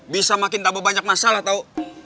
bisa makin tambah banyak masalah tau